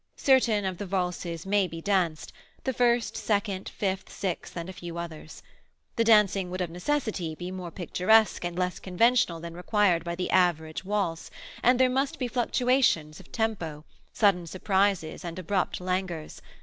Certain of the valses may be danced: the first, second, fifth, sixth, and a few others. The dancing would be of necessity more picturesque and less conventional than required by the average valse, and there must be fluctuations of tempo, sudden surprises and abrupt languors.